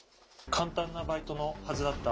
簡単なバイトのはずだった。